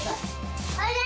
おいで！